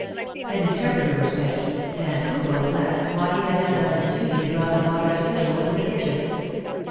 An interpreter was fetched, and Kuko was asked why he had not done his duty and brought the water as usual to the kitchen